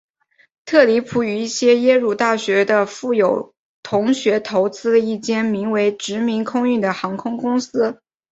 特里普与一些耶鲁大学的富有同学投资了一间名为殖民空运的航空公司。